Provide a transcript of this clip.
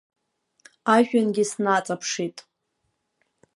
Ажәҩангьы снаҵаԥшит.